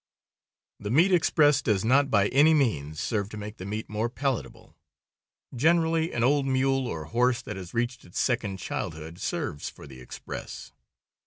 The meat express does not, by any means, serve to make the meat, more palatable. Generally an old mule or horse that has reached its second childhood serves for the express.